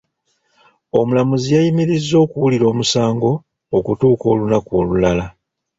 Omulamuzi yayimirizza okuwulira omusango okutuuka olunaku olulala.